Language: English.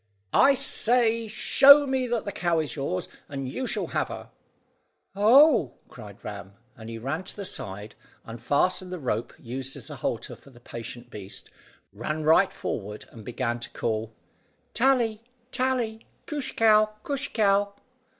"I say, show me that the cow is yours, and you shall have her." "Oh," cried Ram, and he ran to the side, unfastened the rope used as a halter for the patient beast, ran right forward, and began to call, "Tally, Tally! Coosh cow, coosh cow!"